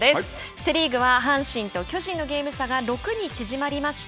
セ・リーグは阪神と巨人のゲーム差が６に縮まりました。